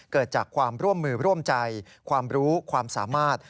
เกิดจากความร่วมมือร่วมใจความรู้ความสามารถ